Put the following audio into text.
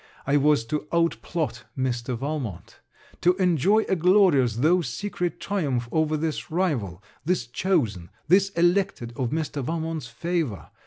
It was to outplot Mr. Valmont. To enjoy a glorious though secret triumph over this rival, this chosen, this elected of Mr. Valmont's favour.